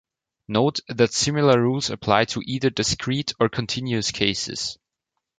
Note that similar rules apply to either discrete or continuous cases.